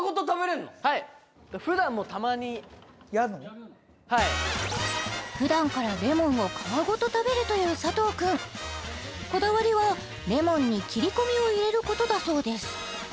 はいはいふだんからレモンを皮ごと食べるという佐藤くんこだわりはレモンに切り込みを入れることだそうです